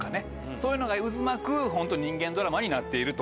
そういうのが渦巻くホント人間ドラマになっていると。